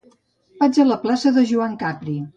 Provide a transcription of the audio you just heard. Vaig a la plaça de Joan Capri.